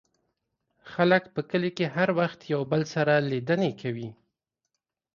خلک په کلي کې هر وخت یو بل سره لیدنې کوي.